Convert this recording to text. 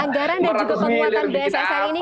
anggaran dan juga penguatan bssn ini